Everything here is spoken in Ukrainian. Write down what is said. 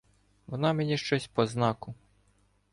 Вона мені щось по знаку.